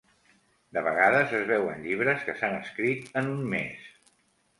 De vegades es veuen llibres que s'han escrit en un mes.